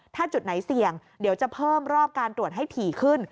ถ้าจุดไหนเสี่ยงเดี๋ยวจะเพิ่มรอบการตรวจให้ถี่ขึ้น